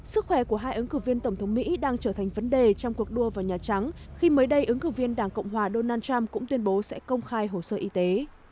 sức khỏe của hai ứng cử viên tổng thống mỹ đang trở thành vấn đề trong cuộc đua vào nhà trắng khi mới đây ứng cử viên đảng cộng hòa donald trump cũng tuyên bố sẽ công khai hồ sơ y tế